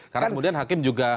karena kemudian hakim juga